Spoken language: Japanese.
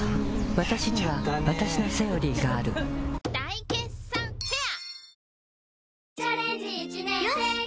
わたしにはわたしの「セオリー」がある大決算フェア